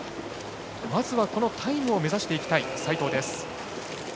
まずはこのタイムを目指していきたい齋藤です。